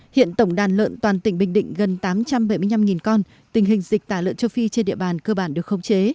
hiện tổng đàn lợn toàn tỉnh bình định gần tám trăm bảy mươi năm con tình hình dịch tả lợn châu phi trên địa bàn cơ bản được khống chế